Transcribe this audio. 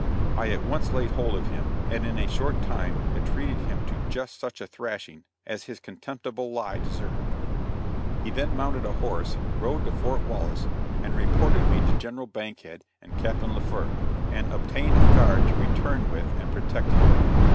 I at once laid hold of him, and in a short time had treated him to just such a thrashing as his contemptible lie deserved. He then mounted a horse, rode to Fort Wallace, and reported me to General Bankhead and Captain Laufer, and obtained a guard to return with and protect him.